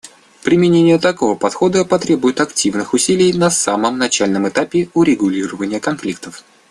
Применение такого подхода потребует активных усилий на самом начальном этапе урегулирования конфликтов.